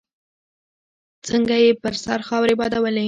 څنګه يې پر سر خاورې بادولې.